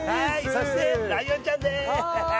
そしてライオンちゃんでーす。